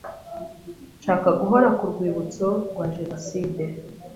nshaka guhora ku rwibutso rwa genocide